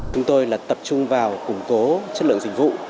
chúng tôi là tập trung vào củng cố chất lượng dịch vụ